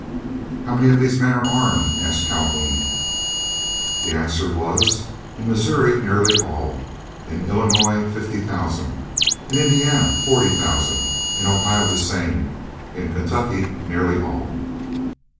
"How many of these men are armed?" asked Calhoun. The answer was: "In Missouri nearly all, in Illinois fifty thousand, in Indiana forty thousand, in Ohio the same, in Kentucky nearly all."